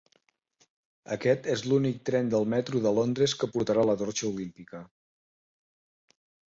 Aquest és el únic tren del Metro de Londres que portarà la Torxa Olímpica.